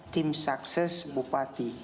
tim sukses bupati